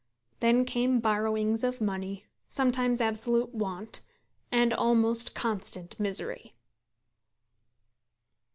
Then came borrowings of money, sometimes absolute want, and almost constant misery.